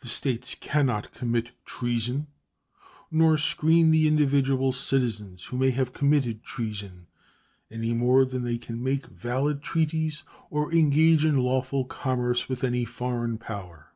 The States can not commit treason nor screen the individual citizens who may have committed treason any more than they can make valid treaties or engage in lawful commerce with any foreign power.